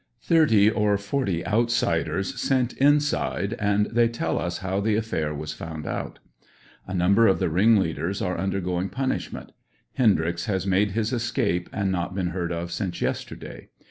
Thirty or forty outsiders sent inside, and they tell us how the affair was found out. A number of the ringleaders are undergoing punishment. Hendryx has made his escape, and not been heard of since yesterday.